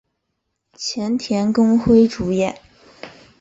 前田公辉主演。